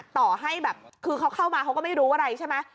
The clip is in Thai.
ต่อให้แบบคือเขาเข้ามาเขาก็ไม่รู้อะไรใช่ไหม